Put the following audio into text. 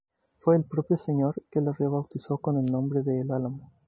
Fue el propio señor quien la rebautizó con el nombre de El Álamo.